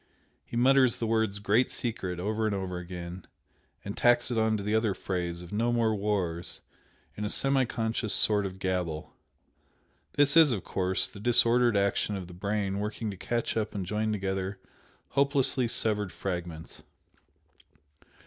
He mutters the words 'Great Secret' over and over again, and tacks it on to the other phrase of 'No more wars' in a semi conscious sort of gabble, this is, of course, the disordered action of the brain working to catch up and join together hopelessly severed fragments."